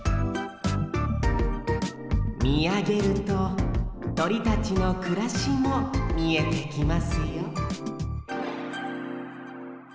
みあげるととりたちのくらしもみえてきますよ